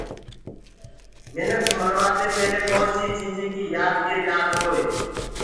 انسآن مروآدي پيلي ڪوڻسي چيجي ڪي يآد گري رآکدوئي